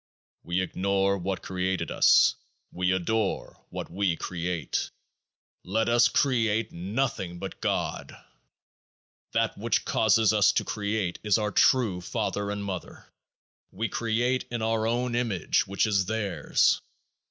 We ignore what created us ; we adore what we create. Let us create nothing but GOD ! That which causes us to create is our true father and mother ; we create in our own image, which is theirs.